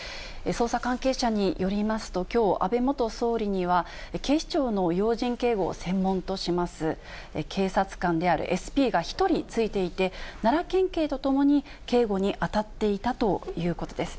捜査関係者によりますと、きょう、安倍元総理には、警視庁の要人警護を専門とします警察官であるＳＰが１人ついていて、奈良県警と共に警護に当たっていたということです。